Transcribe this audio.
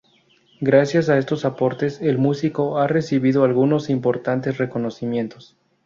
Gracias a estos aportes el músico ha recibido algunos importantes reconocimientos.